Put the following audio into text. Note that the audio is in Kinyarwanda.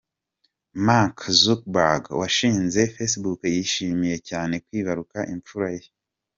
Mark Zuckerberg washinze Facebook yishimiye cyane kwibaruka imfura ye.